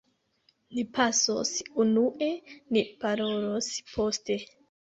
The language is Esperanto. Ni pasos unue; ni parolos poste.